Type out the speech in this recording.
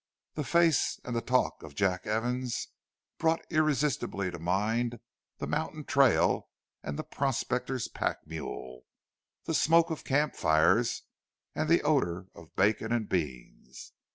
The face and the talk of Jack Evans brought irresistibly to mind the mountain trail and the prospector's pack mule, the smoke of camp fires and the odour of bacon and beans.